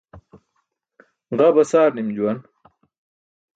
Ġa basaar nim juwan.